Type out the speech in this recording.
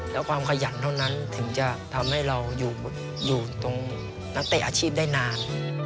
แล้วความขยันเท่านั้นถึงจะทำให้เราอยู่ตรงนักเตะอาชีพได้นาน